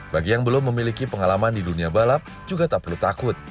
bagi yang belum memiliki pengalaman di dunia balap juga tak perlu takut